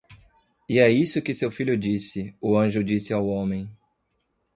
"E é isso que seu filho disse," o anjo disse ao homem.